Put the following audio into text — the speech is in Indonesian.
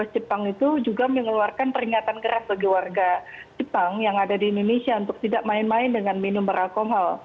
jepang itu juga mengeluarkan peringatan keras bagi warga jepang yang ada di indonesia untuk tidak main main dengan minum beralkohol